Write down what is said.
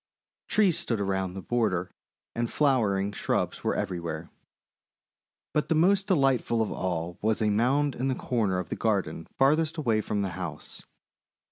Trees stood around the border and flower ing shrubs were everywhere. But the most delightful of all was a mound in the corner of the garden farthest away from the house.